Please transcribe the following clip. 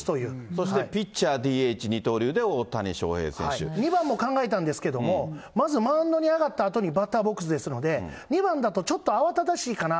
そしてピッチャー、２番も考えたんですけども、まずマウンドに上がったあとにバッターボックスですので、２番だとちょっと慌ただしいかな。